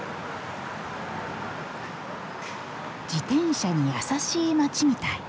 自転車に優しい街みたい。